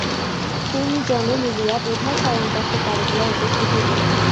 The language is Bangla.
তিন জনে মিলিয়া বিভার শয়নকক্ষের দ্বারে গিয়া উপস্থিত হইলেন।